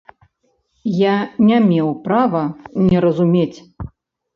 Я не меў права не разумець.